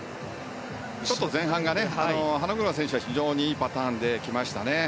前半、花車選手は非常にいいパターンで来ましたね。